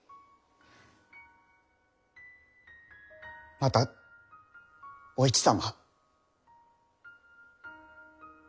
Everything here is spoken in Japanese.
またお市様。